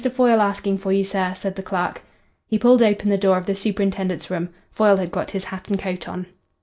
Foyle asking for you, sir," said the clerk. He pulled open the door of the superintendent's room. Foyle had got his hat and coat on.